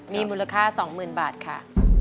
มีมูลค่า๒๐๐๐บาทค่ะ